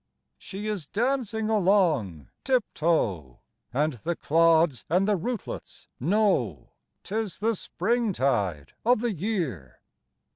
She is dancing along tip toe, EASTER CAROLS And the clods and the rootlets know 'Tis the spring tide of the year.